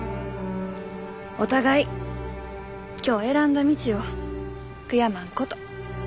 お互い今日選んだ道を悔やまんこと。